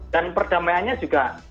dan perdamaiannya juga